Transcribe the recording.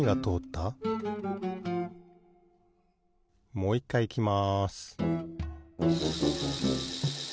もういっかいいきます